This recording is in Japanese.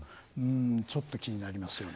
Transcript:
ちょっと気になりますよね。